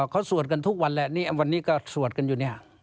เขาสวดกันทุกวันแหละนี่วันนี้ก็สวดกันอยู่เนี่ย